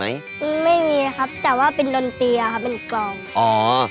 ไม่มีครับแต่ว่าเป็นดนตรีครับเป็นกลองอ๋อ